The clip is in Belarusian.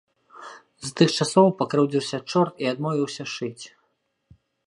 З тых часоў пакрыўдзіўся чорт і адмовіўся шыць.